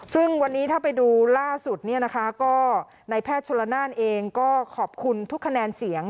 ซึ่งวันนี้ถ้าไปดูล่าสุดเนี่ยนะคะก็ในแพทย์ชนละนานเองก็ขอบคุณทุกคะแนนเสียง